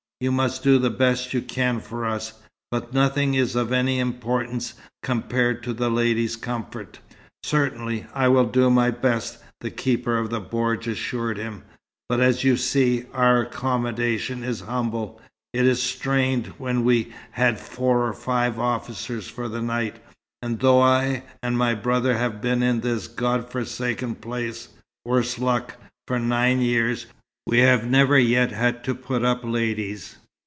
You must do the best you can for us, but nothing is of any importance compared to the ladies' comfort." "Certainly, I will do my best," the keeper of the bordj assured him. "But as you see, our accommodation is humble. It is strained when we have four or five officers for the night, and though I and my brother have been in this God forsaken place worse luck! for nine years, we have never yet had to put up ladies.